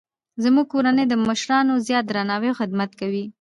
زموږ کورنۍ د مشرانو زیات درناوی او خدمت کوي